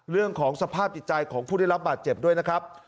เรื่องของสภาพจิตใจของผู้ได้รับบาดเจ็บด้วยนะครับ